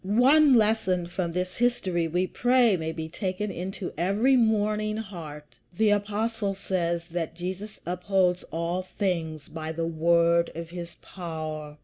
One lesson from this history we pray may be taken into every mourning heart. The Apostle says that Jesus upholds all things by the word of his power.